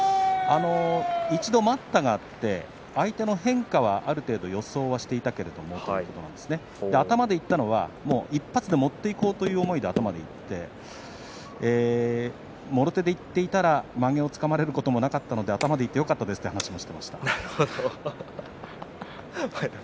一度、待ったがあって相手の変化はある程度予想していたけれども、頭でいったのは１発で持っていこうという思いで頭でいったもろ手でいっていたらまげをつかまれることもなかったので頭でいってよかったですと話していました。